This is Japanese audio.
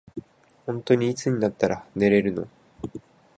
ほんとにいつになったら寝れるの。